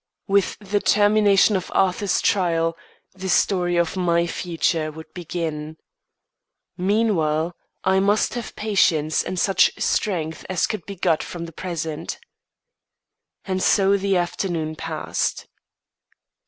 With the termination of Arthur's trial, the story of my future would begin. Meanwhile, I must have patience and such strength as could be got from the present. And so the afternoon passed.